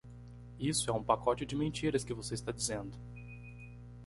Isso é um pacote de mentiras que você está dizendo!